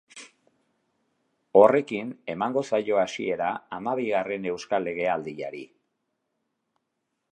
Horrekin emango zaio hasiera hamabigarren euskal legealdiari.